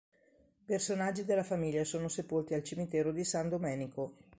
Personaggi della famiglia sono sepolti al cimitero di San Domenico.